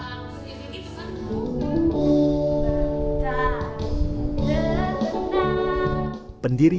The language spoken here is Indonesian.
pendiri yang berpengalaman